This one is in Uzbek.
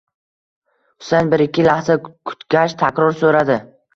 Husayn bir-ikki lahza kutgach, takror so'radi: